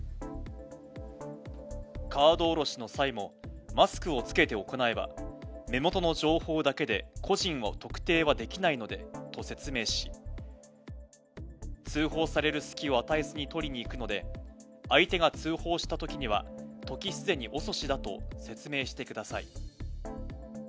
カード下ろしの際も、マスクを着けて行えば、目元の情報だけで個人を特定はできないのでと説明し、通報される隙を与えずに取りに行くので、相手が通報したときには、時すでに遅しだと説明してください。